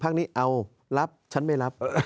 ภักดิ์นี้เอารับฉันไม่รับ